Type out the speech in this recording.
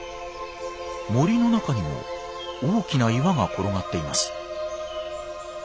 森の中にも大きな岩が転がっています。